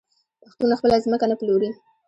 پښتون خپله ځمکه نه پلوري.